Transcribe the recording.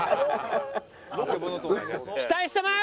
期待してます！